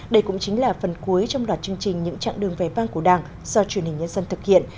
đây cũng chính là phần cuối trong đoạt chương trình những trạng đường vẻ vang của đảng do truyền hình nhân dân thực hiện